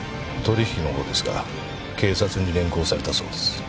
取引の方ですが警察に連行されたそうです。